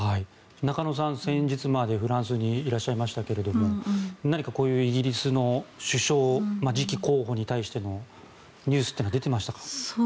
中野さん、先日までフランスにいらっしゃいましたけども何かこういうイギリスの首相次期候補に対してのニュースっていうのは出ていましたか？